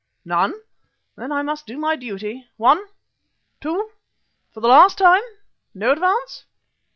None? Then I must do my duty. One. Two. For the last time no advance?